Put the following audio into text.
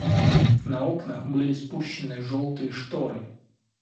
На окнах были спущены жёлтые шторы.